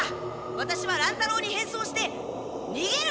ワタシは乱太郎に変装してにげる！